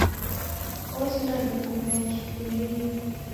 Osinda dungumia kikundinyi